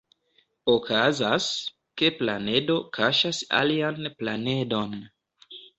Okazas, ke planedo kaŝas alian planedon.